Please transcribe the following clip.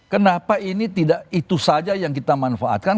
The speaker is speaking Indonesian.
kenapa ini tidak itu saja yang kita manfaatkan